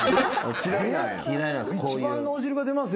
一番脳汁が出ますよ